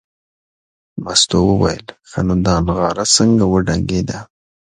مستو وویل ښه نو دا نغاره څنګه وډنګېده.